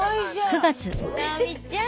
直美ちゃん。